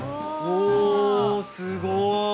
おすごい。